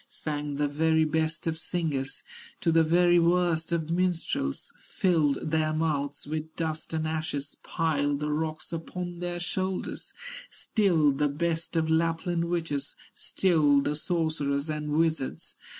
Sang the very best of singers To the very worst of minstrels, Filled their mouths with dust and ashes, Piled the rocks upon their shoulders, Stilled the best of Lapland witches, Stilled the sorcerers and wizards.